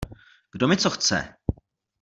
Kdo mi co chce?